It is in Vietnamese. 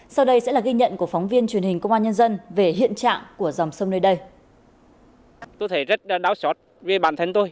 sau đây sẽ là ghi nhận của phóng viên truyền hình công an nhân dân về hiện trạng của dòng cát